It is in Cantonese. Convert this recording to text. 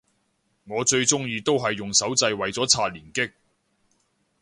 我最鍾意都係用手掣為咗刷連擊